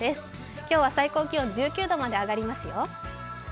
今日は最高気温が１９度まで上がりますよ。